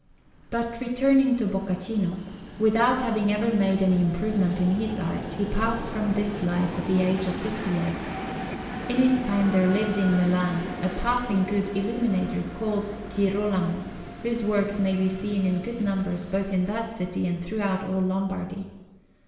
But returning to Boccaccino; without having ever made any improvement in his art, he passed from this life at the age of fifty eight. In his time there lived in Milan a passing good illuminator, called Girolamo, whose works may be seen in good numbers both in that city and throughout all Lombardy.